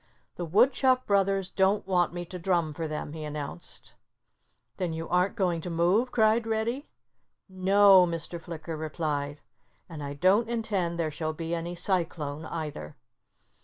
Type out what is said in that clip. "The Woodchuck brothers don't want me to drum for them," he announced. "Then you aren't going to move!" cried Reddy. "No!" Mr. Flicker replied. "And I don't intend there shall be any cyclone, either."